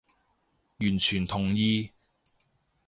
完全同意